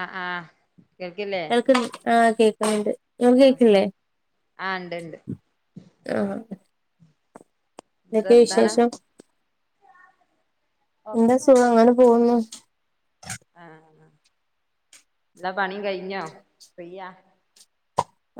ആഹ് ആഹ് കേൾക്കില്ലേ [unintelligible] ആഹ് കേക്ക്ണ്‌ണ്ട് ഇങ്ങൾക്ക് കേക്ക്ണ് ആഹ് ല്ലേ ആഹ് ഇണ്ട് ഇണ്ട് ആഹ് എന്താ എന്തൊക്കെ വർത്താനം വിശേഷം ഒക്കെ എന്താ സുഖം നല്ലെ അങ്ങനെ പോകുന്നു ആഹ് എല്ലാ പണിം കഴിഞ്ഞോ ഫ്രീയാ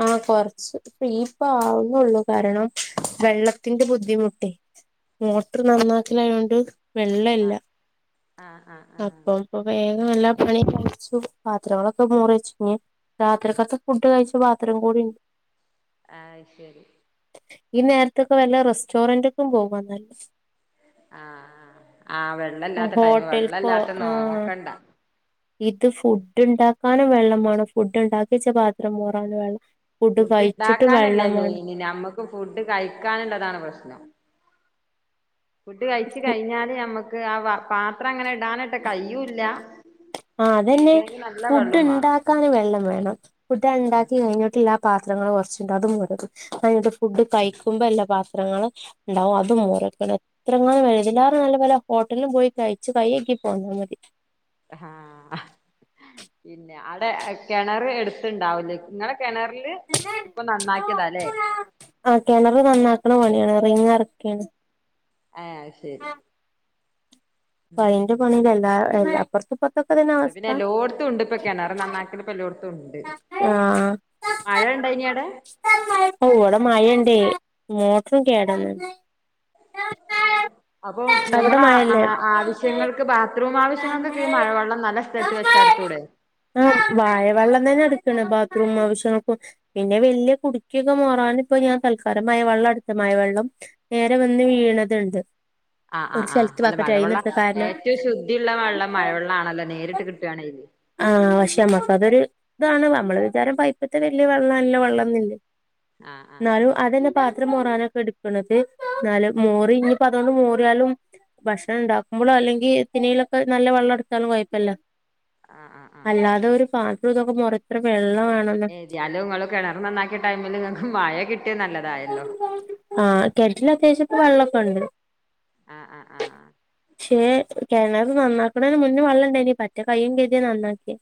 ആഹ് കൊറച്ച് ഫ്രീ ഇപ്പ ആവുന്നുള്ളു കാരണം വെള്ളത്തിന്റെ ബുദ്ധിമുട്ടേ മോട്ടർ നന്നാക്കലായോണ്ട് വെള്ളല്ല ആഹ് ആഹ് ആഹ് ആഹ് അപ്പം അപ്പൊ വേഗം എല്ലാ പണി കഴിച്ചു പാത്രങ്ങളൊക്കെ മോറി വെച്ച് ഇഞ്ഞ് രാത്രിക്കത്തെ ഫുഡ് കഴിച്ച പാത്രം കൂടി ഇണ്ട് ആഹ് ശരി ഈ നേരത്തൊക്കെ വല്ല റെസ്റ്റോറന്റ്ക്കും പോക നല്ലത് ആഹ് ആ വെള്ളല്ലാത്ത ടൈമ് ഹോട്ടൽക്കോ വെള്ളല്ലാത്ത ആഹ് നോക്കണ്ട ഇത് ഫുഡ് ഇണ്ടാക്കാനും വെള്ളം വേണം ഫുഡ് ഉണ്ടാക്കിച്ച പാത്രം മോറാനും വെള്ളം ഫുഡ് കഴിച്ചിട്ടും ഇണ്ടാക്കാനല്ല വെള്ളമാണ് മെയിന് നമ്മക്ക് ഫുഡ് കഴിക്കാള്ളതാണ് പ്രശ്നം ഫുഡ് കഴിച്ചു കഴിഞ്ഞാല് നമ്മക്ക് ആ വ പാത്രം അങ്ങനെ ഇടാനായിട്ട് കഴിയൂല ആഹ് അതന്നെ ഫുഡ് ഇണ്ടാക്കാന് വെള്ളം വേണം ഫുഡ് ഉണ്ടാക്കി കഴിഞ്ഞിട്ടില്ല പാത്രങ്ങള് കൊറച്ചണ്ട് അതും [unintelligible] അത് കഴിഞ്ഞിട്ട് ഫുഡ് കഴിക്കുമ്പോ ഉള്ള പത്രങ്ങള് ഉണ്ടാവും അതും മോറി വെക്കണം പാത്രങ്ങള് മോറിച്ച് ഇതിലേറെ നല്ല വലോം ഹോട്ടലും പോയി കഴിച്ചു കൈ ഴെകി പോന്നാ മതി ആഹ് പിന്നെ അവിടെ എഹ് കെണറ് എട്ത്ത്ണ്ടാവുലേ ഇങ്ങളെ കെണറില് ഇപ്പം നന്നാക്കിയതാ ല്ലേ ആഹ് കെണറ് നന്നാക്ക്ണ പണിയാണ് റിങ് എറക്കിയാണ്ട് ഏഹ് അത് ശരി ഇപ്പൊ അയിന്റെ പണി കഴിന്താ എന്താ അപ്പർത്തുപ്പർത്തൊക്കെ ഇതന്ന ഇപ്പൊ പിന്നെ എല്ലോട്ത്തുണ്ട് ഇപ്പൊ കെണറ് നന്നാക്കലും ഇപ്പൊ എല്ലോട്ത്തുണ്ട് മഴ ഇണ്ടായിനിയോ അവ്ടെ ഹാവൂ ഇവ്ടെ മഴ ഇണ്ടേ മോട്ടറും കേടന്ന് [inaudible] അപ്പം അവിടെ നമ്മളെ അ മഴല്ലേ ആ ആവശ്യങ്ങൾക്ക് ബാത്റൂം ആവശ്യങ്ങൾക്കൊക്കെ ഈ മഴ വെള്ളം നല്ല സ്ഥലത്ത് വെച്ച ഇടുത്തൂടെ ആഹ് മഴ വെള്ളം തന്നെ ഇട്ക്ക്ണെ ബാത് റൂം ആവശ്യങ്ങൾക്കും പിന്നെ വല്ല്യ കുടുക്കയൊക്കെ മോറാൻ ഇപ്പ ഞാൻ തൽക്കാലം മഴ വെള്ളം ഇട്ത്തേ മഴവെള്ളം നേരെ വന്ന് വീണത്ണ്ട് ആഹ് ആഹ് ആഹ് അല്ല മഴവെള്ളം കാരണം ഏറ്റവും ശുദ്ധിയുള്ള വെള്ളം മഴവെള്ളം ആണല്ലോ നേരിട്ട് കിട്ടാണെങ്കി ആഹ് പക്ഷെ നമ്മക്കതൊര് ഇതാണ് നമ്മളെ വിചാരം പൈപ്പ്ത്തെ വല്ല്യ വെള്ള ല്ല വെള്ളംന്നില്ലേ ആഹ് ആഹ് ആഹ് ന്നാലും അതന്നെ പാത്രം മോറാനൊക്കെ എട്ക്ക്ണത് ഇന്നാലും മോറി ഇനിയിപ്പോ അതോണ്ട് മോറിയാലും ഭക്ഷണം ഉണ്ടാക്കുമ്പളോ അല്ലെങ്കി പിന്നീലൊക്കെ നല്ല വെള്ളട്ത്താലും കൊഴപ്പല്ല ആഹ് അഹ് അല്ലാതെ ഒരു പാത്രം ഇതൊക്കെ മോറാൻ എത്ര വെള്ളം വേണം ഏതായാലും ഇങ്ങളെ കിണർ നന്നാക്കിയ ടൈമില് ഇങ്ങക്ക് മഴ കിട്ടിയത് നല്ല ആഹ് കെണറ്റില് അത്യാവശ്യക്കെ വെള്ളക്കെണ്ട് ആഹ് ആഹ് ആഹ് ആഹ് പക്ഷേ കെണറ് നന്നാക്കണതിന് മുന്ന് വള്ളണ്ടായിനി പറ്റ കയ്യും കര്തിയാ നന്നാക്കിയെ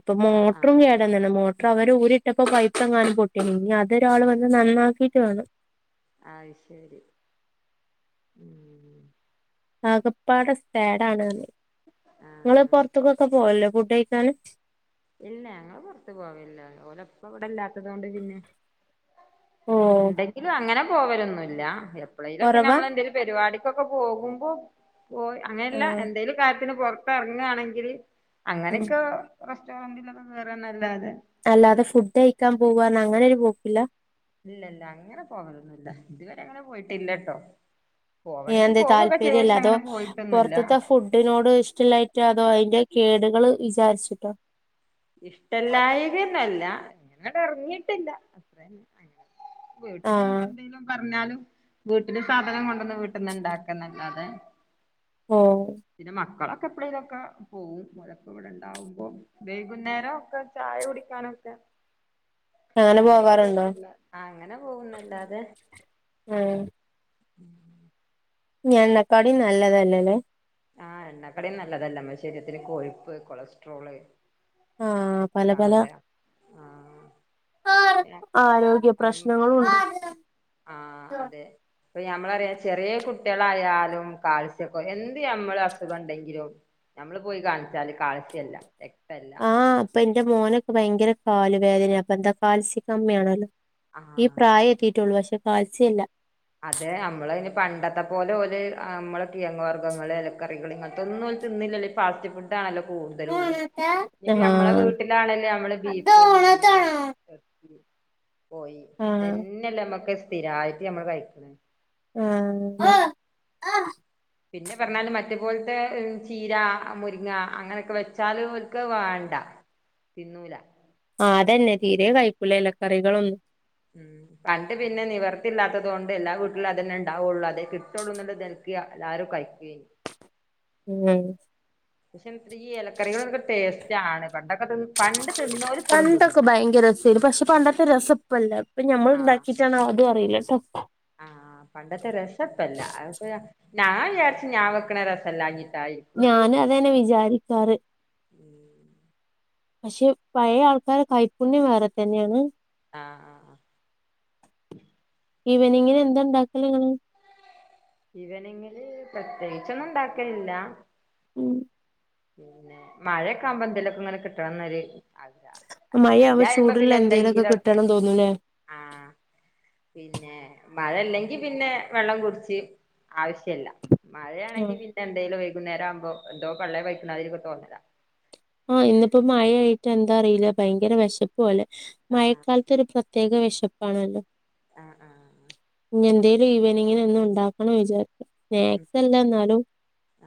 ഇപ്പൊ ആഹ് ആഹ് മോട്ട്റും ആഹ് കേടന്ന്ണ് മോ ട്ട്റ് അവര് ഊരിട്ടപ്പാെ പൈപ്പ് എങ്ങാനും പൊട്ടിയെണു ഇനി അതെരാള് വന്ന് നന്നാക്കിട്ട് വേണം അത് ശെരി ഉം ആകപ്പാടെ സ് സേടാണ് അർണ് ഇങ്ങള് ആഹ് പാെർത്ത്കാെക്കെ പോവല്ണ്ടോ ഫുഡ് കെയിക്കാന് ഇല്ല ഞങ്ങള് പാെർത്ത് പോവലില്ല ഓലപ്പ ഇവടെ ഇല്ലാത്തത് കൊണ്ട് പിന്നെ ഓ ഇണ്ടെങ്കിലും അങ്ങനെ പോവലൊന്നുല്ല എപ്പളേലൊക്കെ കൊറവാ നമ്മള് എന്തേലും പരിവാടികാെക്ക പോകുമ്പൊ പോയ് അങ്ങനെല്ല ആഹ് എന്തെങ്കിലും കാര്യത്തിന്‌ പൊർ ത്തർങ്ങാണെങ്കിൽ ഉം അങ്ങനെയെക്കെ റെസ്റ്റോറന്റിലൊക്കെ കേറാനെല്ലാതെ അല്ലാതെ ഫുഡ് കയിക്കാൻ പോവ്വാർണ് അങ്ങനെ ഒരു പോക്കില്ല ഇല്ല ഇല്ല അങ്ങനെ പോകലൊന്നുല്ല ഇത് വെരെ അങ്ങനെ പോയിട്ടില്ലട്ടോ ഏ പോവണെങ്കി എന്തേ പോവൊക്കെ ചെയ്യാ താല്പര്യല്ല പക്ഷെ അതോ അങ്ങനെ പോയിട്ടൊന്നുല്ല പൊറത്ത്ത്തെ ഫുഡിനോട് ഇഷ്ടല്ലായ്റ്റാ അതോ ഐന്റെ കേട്കള് വിചാരിച്ചിട്ടാേ ഇഷ്ടല്ലായ്കയൊന്നല്ല ഇങ്ങനട് എർങ്ങീട്ടില്ല ഇതെന്നെ അയന്നെ വീട്ടില് ഇനിയിപ്പം ആഹ് എന്തെങ്കിലും പർഞ്ഞാലും വീട്ടില് സാധനം കൊണ്ടന്ന് വീട്ട്ന്നെന്നെ ഇണ്ടാക്കാന്നല്ലാതെ ഓഹ് പിന്നെ മക്കളൊക്കെ എപ്പളേലൊക്കെ പോവും ഓലൊക്കെ ഇവടെ ഇണ്ടാവുമ്പാെ വൈ കുന്നേരാെക്ക ചായ കുടിക്കാനൊക്കെ അങ്ങനെ അങ്ങനെയെക്കെ പോകാറുണ്ടോ പോകുന്നെല്ലാ ആഹ് അങ്ങനെ പോകുംന്നെല്ലാതെ ഏഹ് ഇഞ്ഞ് എണ്ണക്കടിം നല്ലതെല്ലലെ ആഹ് എണ്ണക്കടിം നല്ലതല്ല ഇമ്മളെ ശെരീരത്തിന് കൊഴ്പ്പ് കൊളസ്ട്രോള് ആഹ് പല പല കാണലേ ആഹ് ആരോഗ്യ പ്രശ്നങ്ങളുണ്ട് ആഹ് അതെ ഇപ്പ ഞമ്മളറിയാ ചെറിയ കുട്ട്യാളായാലും കാൽസ്യക്കൊ എന്ത് ഞമ്മള് അസുഖം ഇണ്ടെങ്കിലും ഞമ്മള് പോയി കാണിച്ചാല് കാൽസ്യല്ല രക്ത ഇപ്പെല്ല ഇപ്പ ഇന്റെ മോനൊക്കെ ഭയങ്കര കാല് വേദെനയാ അപ്പൊ എന്താ കാൽസ്യം കമ്മിയാണല്ലോ ഈ ആഹ് പ്രായം എത്തീട്ടൊള്ളൂ പഷെ കാത്സ്യല്ല അതെ അമ്മളെെന് പണ്ടത്തെ പോലെ ഓല് അമ്മളെ കിഴങ്ങ് വർഗ്ഗങ്ങങ്ങള് എലക്കറികള് ഇങ്ങൻത്തെ ഒന്നുംഓല് തിന്നില്ലല്ലോ ഇ ഫാസ്റ്റ്ഫുഡ് താഅല്ലോ കൂട്തലും ഉള്ളെ ഇഞ്ഞ്പ്പ ഞമ്മളെ ആഹ് വീട്ട്ലാണെല്ലെ ഞമ്മള് ബീഫ് മീന് എർച്ചി കോയി ആഹ് ഇതെന്നെല്ലെ അമ്മക്ക് സ്ഥിരായ്റ്റ് ഞമ്മള് കഴിക്ക്ണ് ആഹ് ആഹ് പിന്നെ പർണാല് മറ്റേ പോൽത്തെ ചീര മുരിങ്ങ അങ്ങനെയെക്കെ വെച്ചാലും ഓൽക്കത് വാണ്ട തിന്നൂല ആഹ് അതെന്നെ തീരെ കഴിക്കൂല എലക്കറികളൊന്നും ഉം പണ്ട് പിന്നെ നിവർത്തില്ലാത്തത് കൊണ്ട് എല്ലാ വീട്ട്ലും അതെന്നെ ഇണ്ടാവൊള്ളൂ അതെ കിട്ടൊള്ളൂന്ന്ള്ളഇത്ണ്ട് ക്യ എല്ലാരും കയിക്കേനി ഉം പഷെ എൻത്രീ ഈ എലക്കറികളൊക്കെ ടേസ്റ്റാണ് പണ്ടൊക്ക ഭയങ്കര രസേനി പഷെ പണ്ടത്തെ രസപ്പല്ല ഇപ്പ ഞമ്മള് ആഹ് ഇണ്ടാക്കി റ്റാണോ അതും അറീയിലട്ടൊ ആഹ് പണ്ടത്തെ രസപ്പല്ല അത്പതാ നാ വിചാരിച്ച് ഞാ വെക്ക്ണത് രസല്ലാഞ്ഞിട്ടായിരി ഞാന് അതന്നെ വിചാരിക്കാറ് പഷെ പയെ ആൾക്കരെ കൈപ്പുണ്യം വേറെ തന്നെയാണ് ആഹ് ആഹ് ഇവനിങ്ങ്ല് എന്താണ്ടാക്കല് ഇങ്ങള് ഇവനിങ്ങ്ല് പ്രത്യേകിച്ചൊന്നുംണ്ടാക്കലില്ല ഉം പിന്നെ മഴയൊക്കെ ആകുമ്പോ എന്തേലൊക്കെങ്ങനെ കിട്ടണംന്നൊരു അഗ്രഹ മയ്യ അവ്മ്പോ ചൂട്ള്ള എന്തെലൊക്കെ കിട്ടണം തോന്നൂലെ ആഹ് പിന്നെ മഴ ഇല്ലെങ്കി പിന്നെ വെള്ളം കുട്ച്ച് ആവിശ്യല്ല മഴണെങ്കി ആഹ് പിന്നെ എന്തേലും വൈഗുന്നേരായുമ്പോ എന്തോ പള്ളെ പയ്ക്ക്ണമാരിക്കെ തോന്നലാ. ആഹ് ഇന്ന്പ്പോ മയആയിട്ട് എന്താ അറീല ഭയങ്കര വെശപ്പ് പോലെ ആഹ് മഴക്കാലത് ത്തോരു പ്രത്യേക വെശപ്പാണല്ലോ. ആഹ് ആഹ് ഇഞ്ഞിഎന്തേലും ഈവനിങ്ങ്ന് എന്നും ണ്ടാക്കണം വിചാരിക്കു ഉം സ്നാക്സ് അല്ലന്നാലും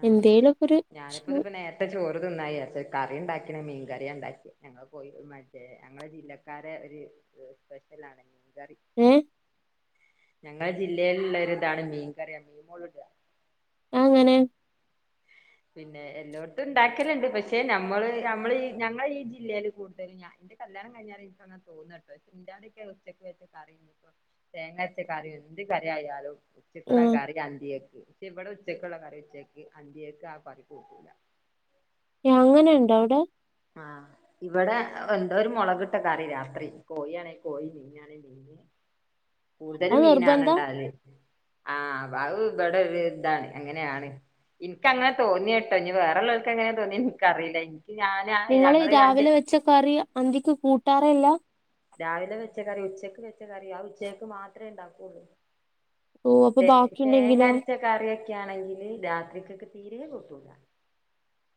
എന്തേലൊക്കൊര് ക്ഷണം. ഇക്ക ചോറ് തിന്നായ പഷെ കറിണ്ടാക്കിണ് മീകറിയണ്ടാക്കിയെ ഞങ്ങൾ പോയി മറ്റേ ഞങ്ങളെ ജില്ലക്കാരെ ഒരു സ്പെഷ്യലാണ് കറി ഏഹ് ഞങ്ങള ജില്ലയിലള്ളരി ഇതാണ് മീൻ കറിയ മീൻ മോളിട ആ എങ്ങനെ [inaudible] പിന്നെ എല്ലോട്തും ഇണ്ടാക്കലണ്ട് പക്ഷെ നമ്മള് നമ്മൾ ഈ ഞങ്ങൾ ഈ ജില്ലേൽ കൂടുതലും ഞ എന്റെ കല്യാണം കഴിഞാരെ എനിക്ക്ങ്ങ തോന്നട്ടോ ചിന്താതിക്കെ ഉച്ചക്ക് വച്ചക്ക തേങ്ങാച്ചക്കറി എന്ത് കറി ആയാലും ആ ഉച്ചക്കുള്ള കറി അന്തിയെക്ക് വച്ചേ ഇവിടെ ഉച്ചക്കുള്ള കറി ഉച്ചക്ക് അന്തിയക്ക് താ കറി കൂട്ടൂല ഏഹ് അങ്ങനെണ്ടോ അവിടെ ആഹ് ഇവിടെ എന്തോ ഒരു മൊളകിട്ട കറി രാത്രി കോഴിയാണെങ്കി കോഴീ മീനാണെ മീന് കൂടുതൽ അത് മീനാണ് നിർബന്ധ ഇണ്ടാകൽ ആഹ് വാവ് ഇബടെ ഒരു ഇതാണ് അങ്ങനാണ് ഇനക്കങ്ങനെ തോന്നിയട്ടോ നി വേറ ഉള്ളൾക്ക് എങ്ങനെ തോന്നി നിക്കറിയില്ല ഇ ഇത് ഞാനാ നിങ്ങള് രാവിലെ വെച്ച കറി അന്തിക്ക് കൂട്ടാറേല്ല രാവിലെ വെച്ച കറി ഉച്ചക്ക് വെച്ച കറി ആ ഉച്ചകക്ക് മാത്രേ ഉണ്ടാക്കുള്ളൂ ഓ അപ്പൊ തേ തേങ്ങ ബാക്കിയുണ്ടെങ്കിലോ അരച്ച കറിയൊക്കെ ആണെങ്കില് രാത്രിക്കക്ക് തീരെ കൂട്ടൂല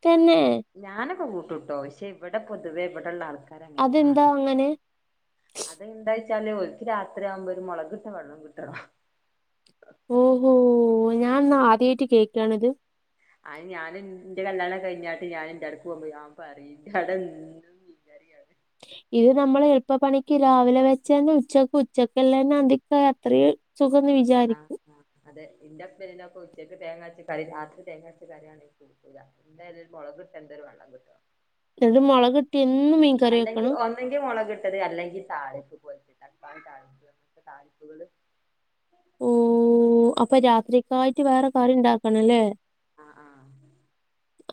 തന്നെ ഞാനക്കെ കൂട്ടൂട്ടോ ക്ഷെ ഇവിടെ പൊതുവേ ഇവിടെള്ള ആൾക്കാര അതെന്താ അങ്ങനാണ് അങ്ങനെ അതെന്താച്ചാല് ഓര്ക്ക് രാത്രി ആകുമ്പോ ഒരു മൊളകിട്ട വെള്ളം കിട്ടണം ഓഹോ ഞാൻ ന്നാ ആധ്യായിട്ട് കേൾക്കാണിത് അത് ഞാനൻ ഇന്റെ കല്യാണം കഴിഞ്ഞട്ട്ഞാന ഇന്റെ ഇടക്ക് പോമ്പോ ഞാൻ പറി ലടിണ്ട് ഇത് നമ്മൾ എളുപ്പപ്പണിക്ക് രാവിലെ വെച്ച ന്നെ ഉച്ചക്ക് ഉച്ചക്കല്ല ന്നെ അന്തിക്ക അത്രയും സുഖന്ന് വിചാരിക്കൂ ആ അതെ ഇൻന്റെ ഹസ്ബന്റിനൊക്കെ ഉച്ചയ്ക്ക് തേങ്ങാച്ച കറി രാത്രി തേങ്ങാച്ച കറിയാണെങ്കിലും കൂട്ടുല എന്തായാലൊരു മൊളകിട്ട് എന്തൊരു വെള്ളം കിട്ടണം എന്നട്ട് മുളകിട്ടിയാ എന്നും മീൻ അല്ലെങ്കിൽ ഒ അങ്കി മുളകിട്ടത് അല്ലെങ്കിൽ താളി പ്പ് പോ താ താപ്പ് അ താളിപ്പുകള് ഓ അപ്പൊ രാത്രിക്കായിട്ട് വേറെ കറി ഇണ്ടാക്കണം ല്ലേ ആഹ് ആഹ്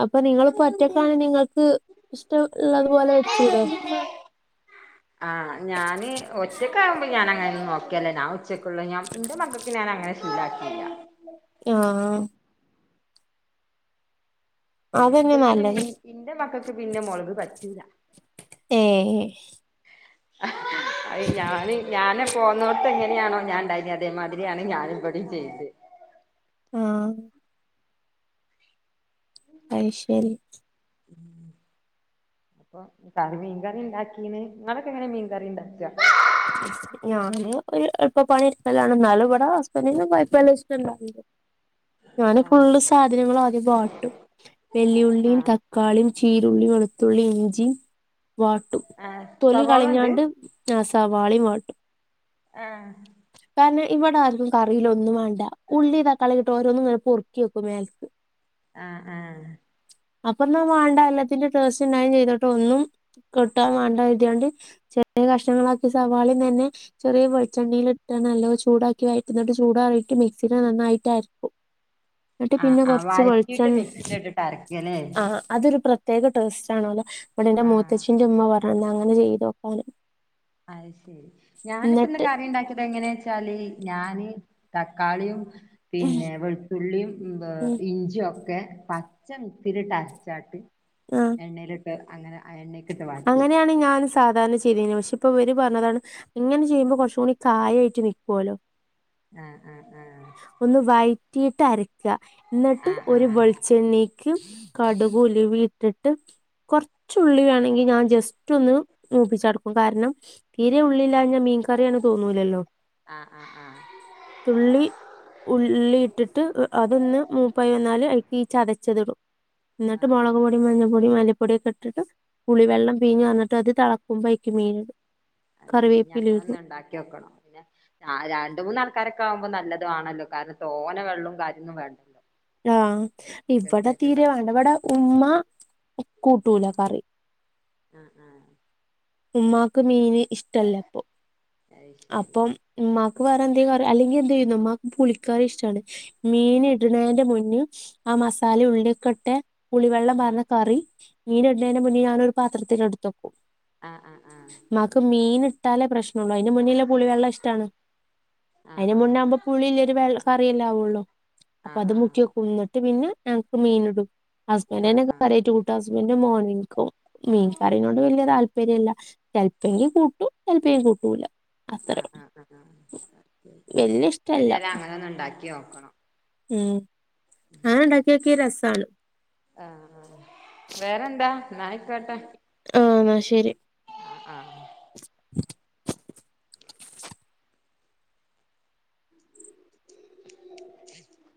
അപ്പൊ നിങ്ങൾ ഇപ്പൊ ഒറ്റക്കാണ് നിങ്ങ ക്ക് ഇഷ്ടംള്ളതു പോലെ വെചുടെ ഒറ്റക്ക ആകുമ്പോ ഞാന അങ്ങനെ നോക്കല്ല ഞ ഉച്ചക്കുള്ള ഞാൻ ഇന്റെ മകക്ക് ഞാ അങ്ങനെ ഷീല്ലാകീല്ല ആഹ് പിന്നെ അതന്നെ ഇവർക്ക് പിന്നെ നല്ലത് ഇന്റെ മക്കക്ക് പിന്നെ മൊളക് പറ്റൂല ഏഹ് അ ഞാന് ഞാന പോന്നോട്ത്ത് എങ്ങനെയാണോ ഞാൻ ഇണ്ടായിനേത് അതേമാതിരിയാണ് ഞാൻ ഇവിഡിം ചെയ്ത് ആഹ് അയ്ശേരി അപ്പൊ കറി മീൻകറി ഇണ്ടാക്കീന് ഇങ്ങളൊക്കെങ്ങനെ മീൻകറി ഇ ണ്ടാക്കാ ഞാന് ഒരു എളപ്പ പണി ഇടക്കലാണ് ഇന്നാലും ഇവിടെ ഹസ്ബൻഡ്ന് കൊഴപ്പല്ല ഇഷ്ട്ടല്ല ഞാന് ആഹ് ഫുള്ള് സാധനങ്ങൾ ആദ്യം വാട്ടും വെല്ലിയുള്ളീം ആഹ് തക്കാള്ളീം ചീരുള്ളി വെളുത്തുള്ളി ഇഞ്ചി വാട്ടും ആഹ് തൊലി സവാള ഉണ്ട് കളിഞ്ഞാണ്ട് നാസവാളി വാ ട്ടും ആഹ് കാരണം ഇവിടെ ആർക്കും കറീല് ഒന്നും വാണ്ട ഉള്ളീം താക്കളി ഓരോന് ഇങ്ങനെ പൊർക്കി നക്കും മേൽക്ക് ആഹ് ആഹ് അപ്പൊ ഒന്നും വേണ്ട എല്ലാത്തിന്റെ ടേസ്റ്റ് ഉണ്ടായിംചെയ്തോട്ടെ ഒന്നും കിട്ടാൻ വേണ്ട ഇതൊണ്ട് ചെറിയ കഷ്ടണങ്ങളാക്കി സവാളി തന്നെ ചെറിയ വെ ചെണ്ണയിൽ ഇട്ട നല്ലോ ചൂടാക്കി വയറ്റുന്നിട്ട് ചൂടറിയിട്ട് മിക്സ നന്നായിട്ടായിരിക്കും എന്നിട്ട് ആഹ് പിന്നെ ആഹ് കൊറച്ച് വഴറ്റിയിട്ട് വെളിച്ചെണ്ണ മിക്സിൽ ഇട്ടിട്ട് അരക്കല്ലേ ആ അതൊരു പ്ര പ്രത്യേക ടൈസ്റ്റ് ആണല്ലോ ഇവിടെ ഇന്റെ ആഹ് മൂത്തച്ച്ചിന്റെ ഉമ്മ പറഞ്ഞാ അങ്ങനെ ചെയ്ത് നോക്കാൻ അത ശരി ഞാനിപ്പ ഇന്ന് എന്നിട്ട് കറി ഉണ്ടാക്കിയത് എങ്ങനെയാ വച്ചാല് ഞാാന് തക്കാളിയും പിന്നെ വെളുത്തുള്ളിയും ഇഞ്ചിയും ഒക്കെ പച്ച മിക്സിയിൽ ഇട്ട് അരച്ചാട്ട് ആഹ എണ്ണയിൽ ഇട്ട് അങ്ങനെ അ എണ്ണയിൽക്കിട്ട് അങ്ങനെയാണ് ഞാൻ സാധാരണ ചെയ്തന് പക്ഷെ ഇപ്പൊ വവര് പറഞ്ഞതാണ് ഇങ്ങനെ ചെയ്യുമ്പോൾ കുറച്ചും കൂടി കായ ആായിട്ട് നിക്കുവല്ലോ ഉം [unintelligible] ഒന്ന് വഴറ്റിയിട്ട് അരക്കുക എന്നിട്ട് ആഹ് ആഹ് ഒരു വൾ ആഹ് വെളിച്ചെണ്ണയിലേക്ക് കടുകും ഉലുവയും ഇട്ടിട്ട് കൊറച്ചുള്ളി വേണെങ്കി ഞാൻ ജസ്റ്റ് ഒന്ന് മൂപിച്ചടുക്കും കാരണം തീരെ ഉള്ളില്ലായഞ്ഞാൽ മീൻ കറിയാണ് തോന്നൂലല്ലോ ആഹ് ആഹ് ആഹ് തുള്ളി ഉള്ളി ഇട്ടിട്ട് അതൊന്ന് മൂപ്പൈ വന്നാല്അതിലേക്ക് ഈ ചതച്ചതിടും എന്നിട്ട് മുളക് പൊടി മഞ്ഞ പൊടിയ മല്ലിപ്പൊടിയൊക്കെ ഇട്ടിട്ട് കുളിവെള്ളം പീഞ്ഞ് പാർന്നിട്ട് അത് തിളക്കുമ്പോൾ ആയില്ക്ക് മീൻ അത് ശരിഞങ്ങ ഒന്ന ഉണ്ടാക്കി നോക്കണം പിന്നെ ആ രണ്ട മൂന്നാൾക്കാരൊക്കെ ആവുമ്പോ നല്ലത ആണല്ലോ കാരണം തോനെ വെള്ളവും കാര്യൊന്നും വേണ്ട ആഹ് ഇവിടെ തീരെ വേണ്ട ഉണ്ടാക്കാം ഇവിടെ ഉമ്മ കൂട്ടൂല കറി ആഹ് ആഹ് ഉമ്മാക്ക് മീന് ഇഷ്ടല്ല ഇപ്പൊ അത് ശരി അപ്പം ഉ്മാക്ക് വേറെ എന്ത അല്ലെങ്കിൽ എന്തതു ചെയ്യുന്നുമമാക്ക് പളിക്കാ ഇഷ്ടണ് മീൻ ഇടുന്നതിന്റെ മുന്നേ ആ മസാല ഉള്ളിക്കൊട്ടെ കുളിവെള്ളം ആഹ് പറഞ്ഞ കറി മീൻ ഇടുന്നതിന് മുന്നേ ഞാനൊരു പാത്രത്തിൽടുത്തോക്കും ആഹ് ആഹ് മക്ക് മീൻ ഇട്ടാലേ പ്രശ്ന ള്ള അതിന് മുന്നില പുളി വെള്ളം ഇഷ്ടമാണ് ആഹ് അതിന് മുന്നേ ആഹ് ആകുമ്പോ പുളിരു വെള്ള കറിയെല്ലാം ആവുള്ളോ അപ്പൊ ആഹ് അത് ആഹ് മുക്കിയ കുന്നിട്ട് പിന്നെ ഞങ്ങക്ക് മീൻ ഇടും ഹസ്ബൻഡ് ആഹ് ആഹ് തന്നെ ആഹ് കയറി കൂട്ട് ഹസ്ബൻഡും മോിക്കും മീൻകറിനോട് വലിയ തല്പര്യം താല്പര്യല്ല ചെലപ്പങ്കും കൂട്ടും ചെലപ്പേും കൂട്ടൂല അത്ര ആഹ് ആഹ് ആഹ് ആഹ് വല്യ ഇഷ്ടല്ല ന്ന ഉണ്ടാക്കി നോക്കണം ഉം അഹ് ഡക്കി നോക്കിയ രസ ആണ് ആഹ് വേറെന്താ നായിക്കോട്ടെ ആഹ് എന്നാ ശരി ആഹ് ആഹ് [inaudible]